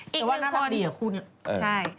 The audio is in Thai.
แต่ว่าน่ารักดีอะคู่นี้ใช่